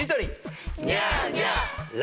ニャーニャー。